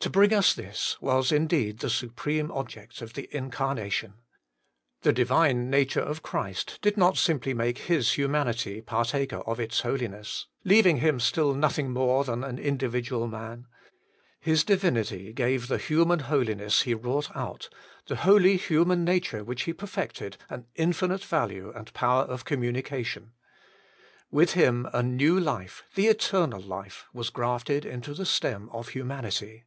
To bring us this, was indeed the supreme object of the Incarnation. The Divine nature of Christ did not simply make His humanity partaker of its holiness, leaving Him still nothing more than an individual man. His Divinity gave the human holiness He wrought out, the holy human nature which He perfected, an infinite value and power of communica tion. With Him a new life, the Eternal Life, was grafted into the stem of humanity.